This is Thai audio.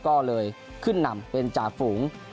ก็เลยขึ้นนำเป็นจ่าฝูง